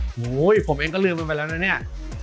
โอ้โหเห้ยผมเองก็ลืมมันไปแล้วเนี่ย